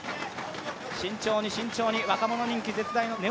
慎重に慎重に、若者人気絶大のネオ